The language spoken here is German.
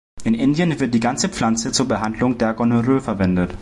In Indien wird die ganze Pflanze zur Behandlung der Gonorrhoe verwendet.